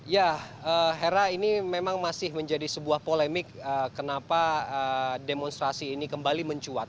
ya hera ini memang masih menjadi sebuah polemik kenapa demonstrasi ini kembali mencuat